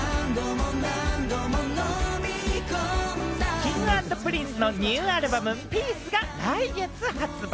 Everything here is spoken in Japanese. Ｋｉｎｇ＆Ｐｒｉｎｃｅのニューアルバム『ピース』が来月発売。